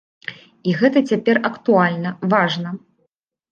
І гэта цяпер актуальна, важна.